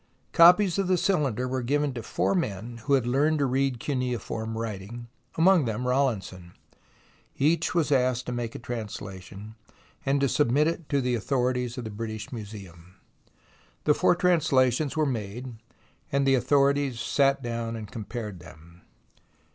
Copies of the cyhnder were given to four men who had learned to read cuneiform writing, among them Rawlinson. Each was asked to make a 116 THE ROMANCE OF EXCAVATION translation, and to submit it to the authorities of the British Museum. The four translations were made, and the authorities sat down and compared them.